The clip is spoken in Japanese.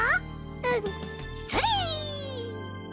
うん。それ。